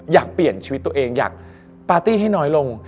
อยากเปลี่ยนชีวิตตัวเองอยากปาร์ตี้ให้น้อยลง